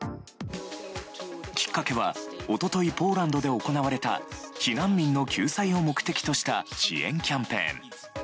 きっかけは一昨日ポーランドで行われた避難民の救済を目的とした支援キャンペーン。